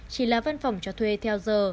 chỉ là văn phòng cho thuê theo giờ